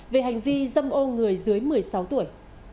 về hành vi dâm ô người dưới một mươi sáu tuổi